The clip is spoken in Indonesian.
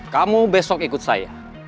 kamu besok ikut saya